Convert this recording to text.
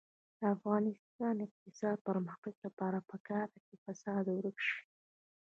د افغانستان د اقتصادي پرمختګ لپاره پکار ده چې فساد ورک شي.